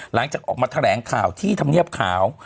หลังจากออกมาแถลงข่าวที่ธรรมเนียบขาว